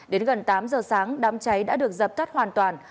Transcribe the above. đến gần tám giờ sáng đám cháy đã được dập tắt hoàn toàn